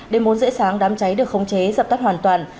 đêm bốn giữa sáng đám cháy được khống chế dập tắt hoàn toàn